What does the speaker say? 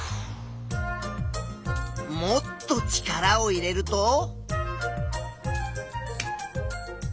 もっと力を入れると。